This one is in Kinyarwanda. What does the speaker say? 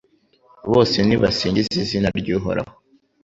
Bose nibasingize izina ry’Uhoraho